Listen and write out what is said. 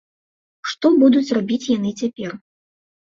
Што будуць рабіць яны цяпер?